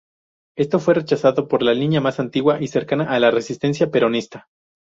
Esto fue rechazado por la línea más antigua y cercana a la resistencia peronista.